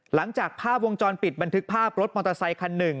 หลังจากภาพวงจรปิดบันทึกภาพรถมอเตอร์ไซคันหนึ่ง